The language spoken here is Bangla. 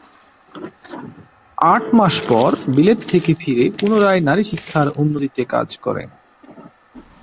আট মাস পর বিলেত থেকে ফিরে পুনরায় নারী শিক্ষার উন্নতিতে কাজ করেন।